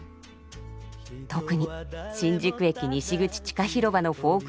特に新宿駅西口地下広場のフォーク